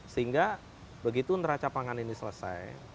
sehingga begitu neraca pangan ini selesai